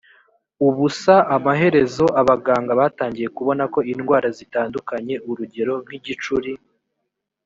ubusa amaherezo abaganga batangiye kubona ko indwara zitandukanye urugero nk igicuri